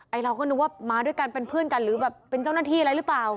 เราก็นึกว่ามาด้วยกันเป็นเพื่อนกันหรือแบบเป็นเจ้าหน้าที่อะไรหรือเปล่า